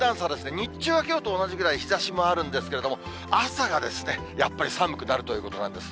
日中はきょうと同じくらい、日ざしもあるんですけれども、朝がやっぱり寒くなるということなんです。